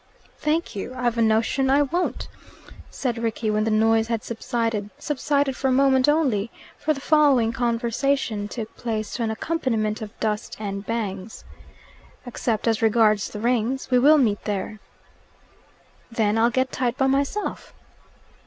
"Thank you. I've a notion I won't," said Rickie when the noise had subsided subsided for a moment only, for the following conversation took place to an accompaniment of dust and bangs. "Except as regards the Rings. We will meet there." "Then I'll get tight by myself."